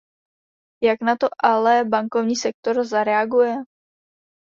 Jak na to ale bankovní sektor zareaguje?